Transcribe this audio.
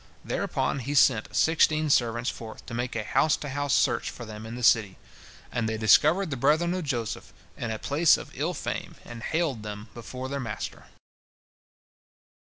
Thereupon he sent sixteen servants forth to make a house to house search for them in the city, and they discovered the brethren of Joseph in a place of ill fame and haled them before their master.